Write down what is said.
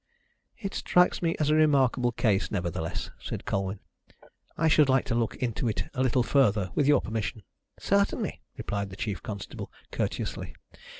"It strikes me as a remarkable case, nevertheless," said Colwyn. "I should like to look into it a little further, with your permission." "Certainly," replied the chief constable courteously.